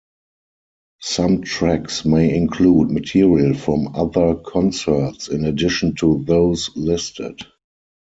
Some tracks may include material from other concerts in addition to those listed.